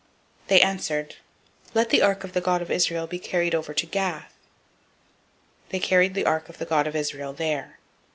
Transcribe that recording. They answered, Let the ark of the God of Israel be carried about to Gath. They carried the ark of the God of Israel [there].